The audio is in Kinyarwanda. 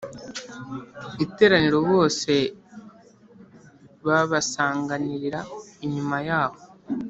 iteraniro bose babasanganirira inyuma y aho